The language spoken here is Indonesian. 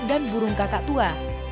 dan burung kakak tua